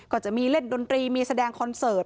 ก็จะมีเล่นดนตรีมีแสดงคอนเสิร์ต